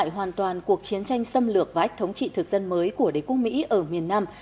hoàn toàn cuộc chiến tranh xâm lược và ách thống trị thực dân mới của đế quốc mỹ ở miền nam